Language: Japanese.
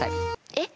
えっ？